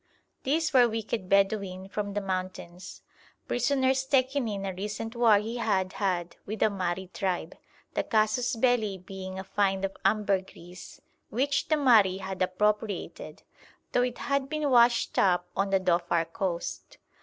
These were wicked Bedouin from the mountains, prisoners taken in a recent war he had had with the Mahri tribe, the casus belli being a find of ambergris which the Mahri had appropriated, though it had been washed up on the Dhofar coast.